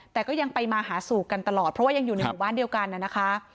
แต่ก็ยังไปมาหาสู่กันตลอดเพราะว่ายังอยู่ในหมู่บ้านเดียวกันนะคะ